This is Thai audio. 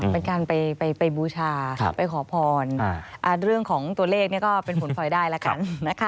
เป็นการไปบูชาไปขอพรเรื่องของตัวเลขนี่ก็เป็นผลพลอยได้แล้วกันนะคะ